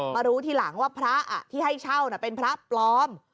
มารู้ทีหลังว่าพระที่ให้เช่าเป็นพระปลอม